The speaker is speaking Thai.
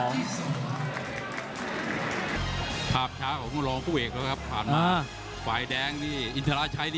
ในจังหวะไหน